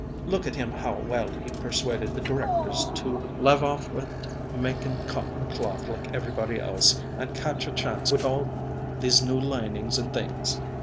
Look at him how well he persuaded the directors to l'ave off wit' making cotton cloth like everybody else, and catch a chance wit' all these new linings and things!